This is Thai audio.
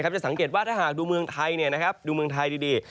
จะสังเกตว่าถ้าหากดูเมืองไทยดี